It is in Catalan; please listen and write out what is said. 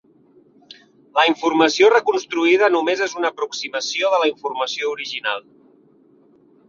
La informació reconstruïda només és una aproximació de la informació original.